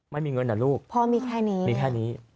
ไม่มีเงินน่ะลูกพ่อมีแค่นี้